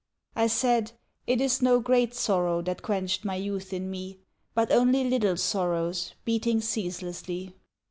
I said, "It is no great sorrow That quenched my youth in me, But only little sorrows Beating ceaselessly."